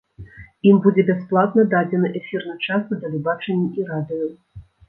Ім будзе бясплатна дадзены эфірны час на тэлебачанні і радыё.